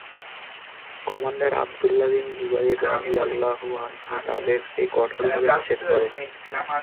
Commander Abdullah bin Zubair রাযিয়াল্লাহু আনহু তাদেরকে কঠোরভাবে নিষেধ করেন।